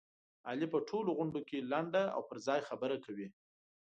علي په ټولو غونډوکې لنډه او پرځای خبره کوي.